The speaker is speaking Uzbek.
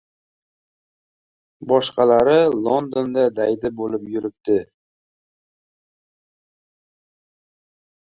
Boshqalari Londonda daydi bo‘lib yuribdi.